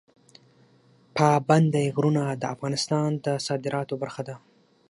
پابندی غرونه د افغانستان د صادراتو برخه ده.